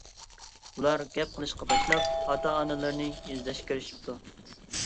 بۇلار گەپ قىلىشقا باشلاپ ئاتا-ئانىلىرىنى ئىزدەشكە كىرىشىپتۇ.